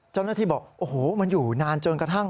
เจ้าหน้าที่บอกโอ้โหมันอยู่นานจนกระทั่ง